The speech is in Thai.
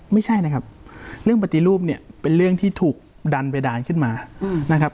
ไม่ใช่นะครับเรื่องปฏิรูปเป็นเรื่องที่ถูกดันเพดานขึ้นมา